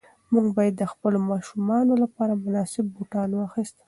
موږ باید د خپلو ماشومانو لپاره مناسب بوټان واخیستل.